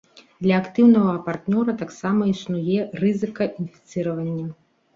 Для актыўнага партнёра таксама існуе рызыка інфіцыравання.